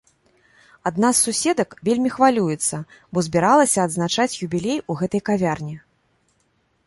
Адна з суседак вельмі хвалюецца, бо збіралася адзначаць юбілей у гэтай кавярні.